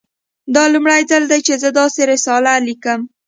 دا لومړی ځل دی چې زه داسې رساله لیکم